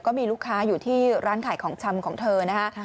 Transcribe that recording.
ก็มีลูกค้าอยู่ที่ร้านขายของชำของเธอนะคะ